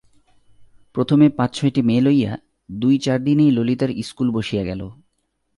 প্রথমে পাঁচ-ছয়টি মেয়ে লইয়া দুই-চার দিনেই ললিতার ইস্কুল বসিয়া গেল।